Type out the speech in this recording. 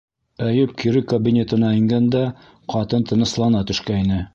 Әйүп кире кабинетына ингәндә, ҡатын тыныслана төшкәйне.